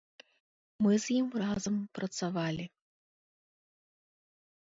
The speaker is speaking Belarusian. Мы з ім разам працавалі.